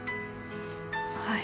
はい。